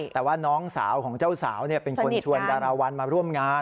แต่ว่าน้องสาวของเจ้าสาวเป็นคนชวนดาราวันมาร่วมงาน